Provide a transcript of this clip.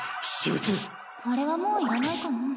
これはもういらないかな。